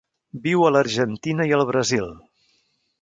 Viu a l'Argentina i el Brasil.